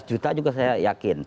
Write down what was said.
lima juta juga saya yakin